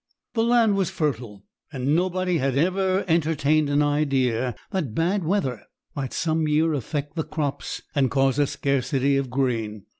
The land was fertile, and nobody had ever entertained an idea that bad weather might some year affect the crops and cause a scarcity of grain.